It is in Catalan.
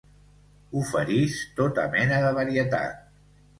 Oferís tota mena de varietat.